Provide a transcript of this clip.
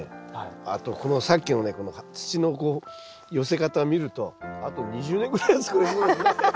あとさっきのねこの土の寄せ方を見るとあと２０年ぐらいは作れそうですね。